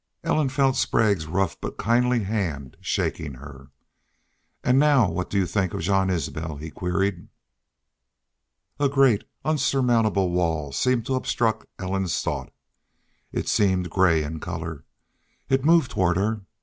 Ellen felt Sprague's rough but kindly hand shaking her. "An' now what do you think of Jean Isbel?" he queried. A great, unsurmountable wall seemed to obstruct Ellen's thought. It seemed gray in color. It moved toward her.